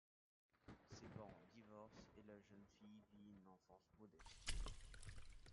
Ses parents divorcent et la jeune fille vit une enfance modeste.